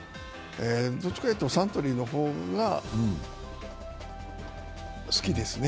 どっちかというとサントリーの方が好きですね。